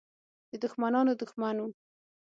د دښمنانو دښمن وو.